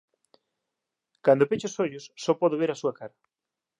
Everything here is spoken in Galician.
Cando pecho os ollos só podo ver a súa cara.